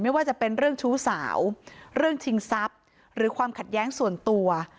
ไม่ว่าจะเป็นเรื่องชู้สาวเรื่องชิงทรัพย์หรือความขัดแย้งส่วนตัว